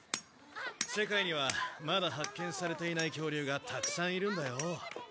世界にはまだ発見されていない恐竜がたくさんいるんだよ。